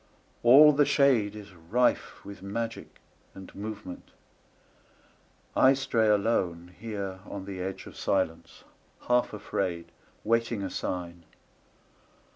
All the shadeIs rife with magic and movement. I stray aloneHere on the edge of silence, half afraid, Waiting a sign.